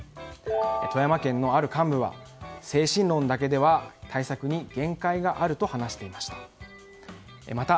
富山県のある幹部は精神論だけでは対策に限界があると話していました。